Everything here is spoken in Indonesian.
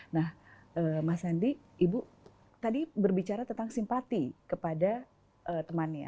nah mas andi ibu tadi berbicara tentang simpati kepada temannya